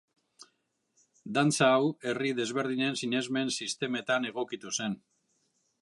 Dantza hau herri desberdinen sinesmen sistemetan egokitu zen.